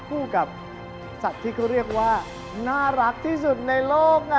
คู่กับสัตว์ที่เขาเรียกว่าน่ารักที่สุดในโลกนะ